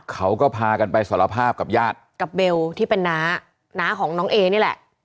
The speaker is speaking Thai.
เขาก็พากันไปสารภาพกับญาติกับเบลที่เป็นน้าน้าของน้องเอนี่แหละ